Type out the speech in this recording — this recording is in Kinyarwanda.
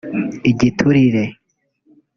igiturire